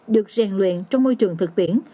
được rèn luyện trong môi trường thực tiễn